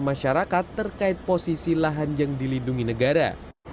masyarakat terkait posisi lahan yang dilindungi negara